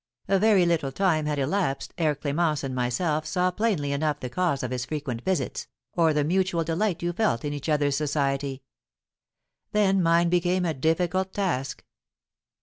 A very little time had elapsed ere Clémence and myself saw plainly enough the cause of his frequent visits, or the mutual delight you felt in each other's society. Then mine became a difficult task.